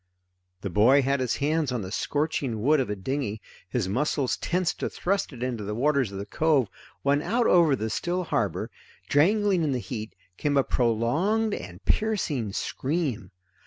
The boy had his hands on the scorching wood of a dinghy, his muscles tensed to thrust it into the waters of the cove, when out over the still harbor, jangling in the heat, came a prolonged and piercing scream.